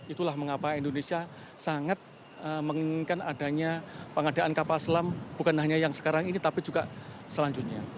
itulah mengapa indonesia sangat menginginkan adanya pengadaan kapal selam bukan hanya yang sekarang ini tapi juga selanjutnya